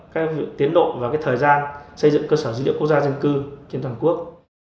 các tiến độ và cái thời gian xây dựng cơ sở dữ liệu quốc gia dân cư trên toàn quốc